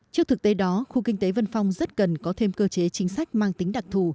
trước thực tế đó khu kinh tế vân phong rất cần có thêm cơ chế chính sách mang tính đặc thù